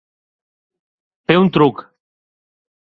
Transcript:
Fer un truc.